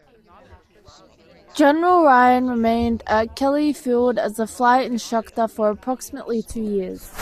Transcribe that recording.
General Ryan remained at Kelly Field as a flight instructor for approximately two years.